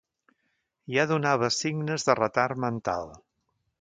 Ja donava signes de retard mental.